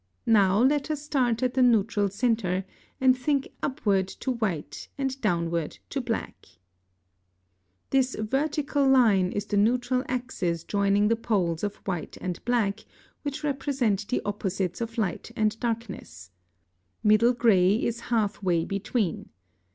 Now let us start at the neutral centre, and think upward to white and downward to black (Fig. 9.) [Illustration: Fig. 9.] This vertical line is the neutral axis joining the poles of white and black, which represent the opposites of light and darkness. Middle gray is half way between.